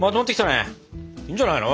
いいんじゃないの？